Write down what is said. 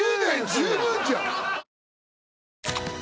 十分じゃん